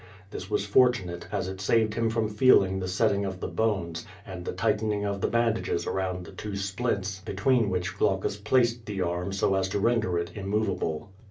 This was for tunate, as it saved him from feeling the setting of the bones, and the tightening of the bandages around the two splints between which Glaucus placed the arm so as to render it im movable.